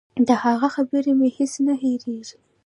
د هغه خبرې مې هېڅ نه هېرېږي.